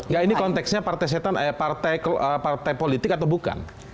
ya ini konteksnya partai saitan partai politik atau bukan